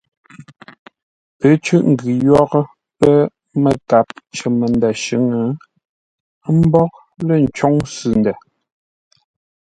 Pə́ cʉ́ʼ ngʉ yórə́ pə́ məkap cər məndə̂ shʉ̌ŋ; ə́ mbóghʼ lə̂ ncôŋ sʉ ndə̂.